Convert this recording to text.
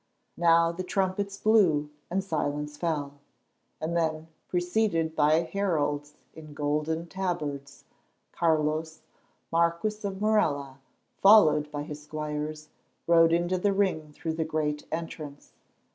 Now the trumpets blew, and silence fell, and then, preceded by heralds in golden tabards, Carlos, Marquis of Morella, followed by his squires, rode into the ring through the great entrance.